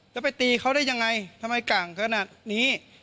จะไปตีเขาได้ยังไงทำไมกั่งขนาดนี้